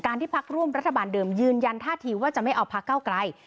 ที่พักร่วมรัฐบาลเดิมยืนยันท่าทีว่าจะไม่เอาพักเก้าไกล